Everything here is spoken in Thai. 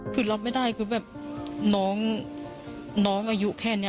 คือรับไม่ได้คือแบบน้องอายุแค่นี้